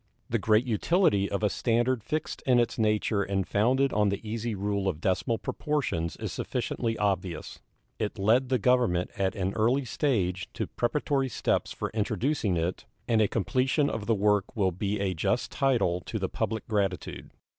The great utility of a standard fixed in its nature and founded on the easy rule of decimal proportions is sufficiently obvious. It led the Government at an early stage to preparatory steps for introducing it, and a completion of the work will be a just title to the public gratitude.